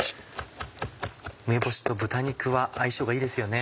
梅干しと豚肉は相性がいいですよね。